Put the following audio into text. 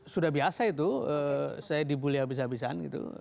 sudah biasa itu saya dibully habis habisan gitu